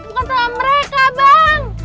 bukan sama mereka bang